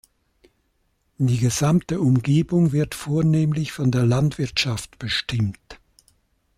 Die gesamte Umgebung wird vornehmlich von der Landwirtschaft bestimmt.